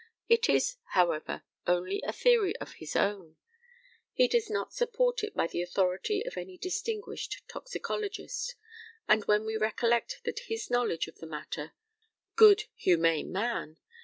It is, however, only a theory of his own; he does not support it by the authority of any distinguished toxicologist, and when we recollect that his knowledge of the matter good, humane man!